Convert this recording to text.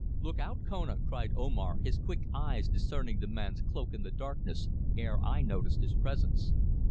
"Look out, Kona!" cried Omar, his quick eyes discerning the man's cloak in the darkness ere I noticed his presence.